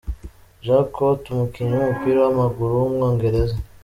Jack Cork, umukinnyi w’umupira w’amaguru w’umwongereza.